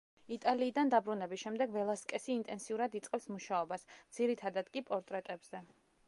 იტალიიდან დაბრუნების შემდეგ ველასკესი ინტენსიურად იწყებს მუშაობას, ძირითადად კი პორტრეტებზე.